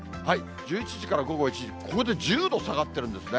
１１時から午後１時、ここで１０度下がってるんですね。